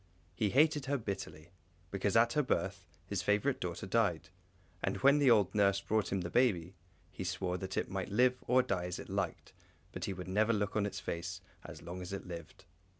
He hated her bitterly, because at her birth his favourite daughter died; and when the old nurse brought him the baby, he swore, that it might live or die as it liked, but he would never look on its face as long as it lived.